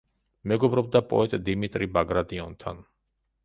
მეგობრობდა პოეტ დიმიტრი ბაგრატიონთან.